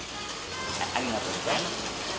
ありがとうございます。